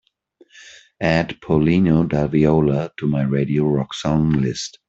add paulinho da viola to my Radio Rock song list